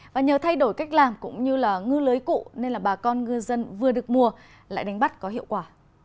và nhờ thay đổi cách làm cũng như là ngư lưới cụ nên là bà con ngư dân vừa được mùa lại đánh bắt có hiệu quả